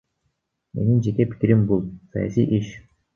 Менин жеке пикирим — бул саясий иш.